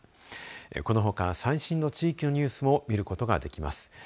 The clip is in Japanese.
このほか最新の地域のニュースを見ることができます。